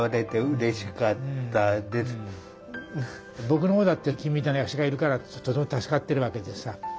僕の方だって君みたいな役者がいるからとても助かってるわけでさ。